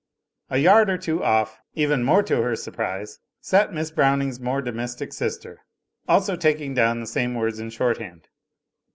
A )rard or two off, even more to her surprise, sat Miss Browning's more domestic sister, also taking down the same words in shorthand.